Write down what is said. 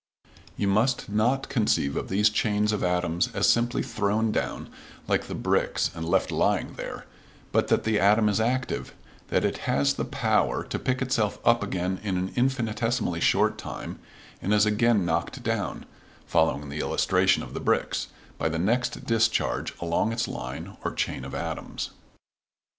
You must not conceive of these chains of atoms as simply thrown down like the bricks and left lying there, but that the atom is active; that it has the power to pick itself up again in an infinitesimally short time and is again knocked down (following the illustration of the bricks) by the next discharge along its line or chain of atoms.